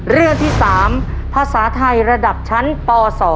เรื่องที่๓ภาษาไทยระดับชั้นป๒